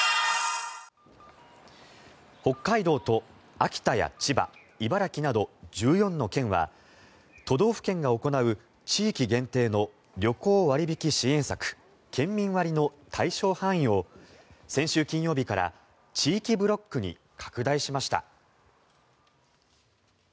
北海道と秋田や千葉茨城など１４の県は都道府県が行う地域限定の旅行割引支援策県民割の対象範囲を先週金曜日から地域ブロックに拡大しました。